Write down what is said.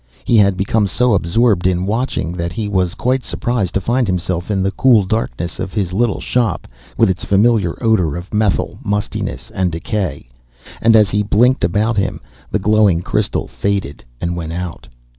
He had become so absorbed in watching that he was quite surprised to find himself in the cool darkness of his little shop, with its familiar odour of methyl, mustiness, and decay. And, as he blinked about him, the glowing crystal faded, and went out.